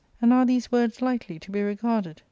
and are these words lightly to be regarded